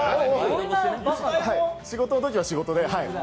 仕事のときは仕事で。